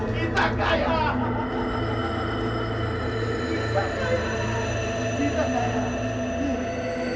kita banyak uang